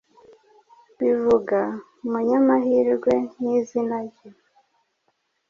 bivuga ’Umunyamahirwe nkizina rye